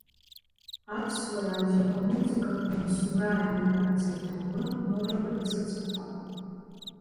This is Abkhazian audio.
Аԥсуа радио амузыкатә маҵзура аредакциа аиҳабы Нора Барцыц-ԥҳа…